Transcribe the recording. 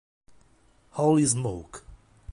Holy Smoke